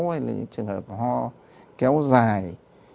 hay là những trường hợp ho kéo dài